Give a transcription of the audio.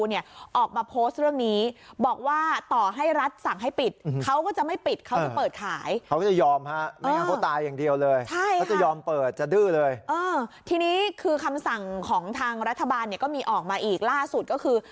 เนี่ยก็มีออกมาอีกล่าสุดก็คือ